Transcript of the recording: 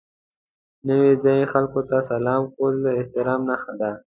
د نوي ځای خلکو ته سلام کول د احترام نښه ده.